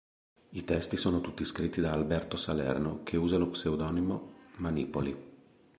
I testi sono tutti scritti da Alberto Salerno, che usa lo pseudonimo Manipoli.